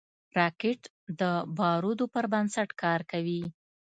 راکټ د بارودو پر بنسټ کار کوي